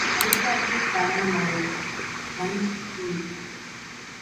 அழுக்காற்றின் காரணமாகவும் வன்சொல் தோன்றும்.